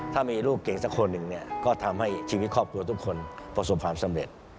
ถ้ามีลูกเก่งสักคนหนึ่งเนี่ยก็ทำให้ชีวิตครอบครัวทุกคนประสบความสำเร็จ